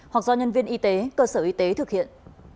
hoặc do nhân viên y tế cơ sở y tế thực hiện